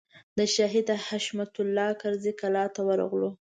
د شهید حشمت الله کرزي کلا ته ورغلو.